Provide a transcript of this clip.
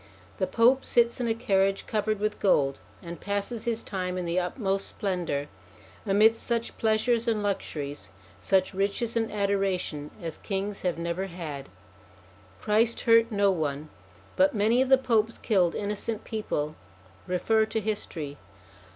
The Pope sits in a carriage covered with gold, and passes his time in the utmost splendour, amidst such pleasures and luxuries, such riches and adoration, as kings have never had. Christ hurt no one, but many of the Popes killed innocent people: refer to history.